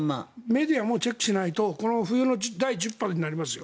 メディアもチェックしないと冬の第１０波になりますよ。